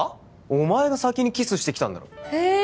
お前が先にキスしてきたんだろへえ